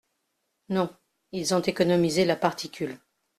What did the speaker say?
Non, ils ont économisé la particule.